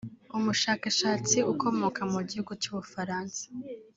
umushakashatsi ukomoka mu gihugu cy’u Bufaransa